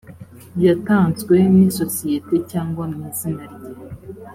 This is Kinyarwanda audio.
yatanzwe n’isosiyete cyangwa mu izina rye